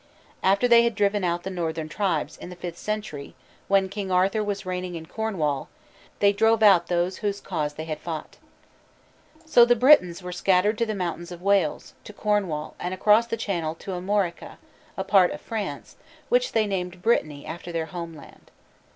After they had driven out the northern tribes, in the fifth century, when King Arthur was reigning in Cornwall, they drove out those whose cause they had fought. So the Britons were scattered to the mountains of Wales, to Cornwall, and across the Channel to Armorica, a part of France, which they named Brittany after their home land.